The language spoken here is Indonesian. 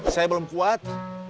saya belum kuat